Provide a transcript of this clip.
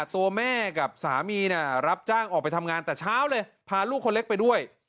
ตัวแม่กับสามีรับจ้างออกไปทำงานแต่เช้าเลยพาลูกคนเล็กไปด้วย